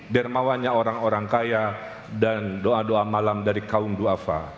dermawannya orang orang kaya dan doa doa malam dari kaum doafa